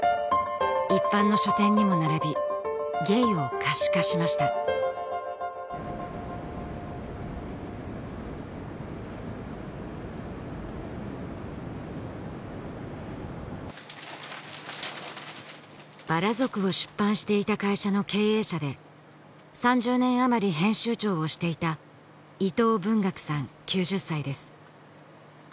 一般の書店にも並びゲイを可視化しました「薔薇族」を出版していた会社の経営者で３０年あまり編集長をしていた伊藤文学さん９０歳です